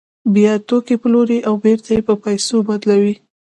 بیا توکي پلوري او بېرته یې په پیسو بدلوي